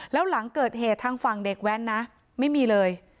แล้วหลังเกิดเหตุทางฝั่งเด็กแว้นนะไม่มีเลย